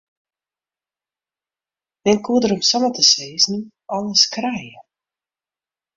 Men koe der om samar te sizzen alles krije.